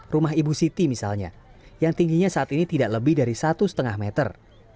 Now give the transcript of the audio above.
rumah ibu siti misalnya yang tingginya saat ini tidak lebih dari satu lima meter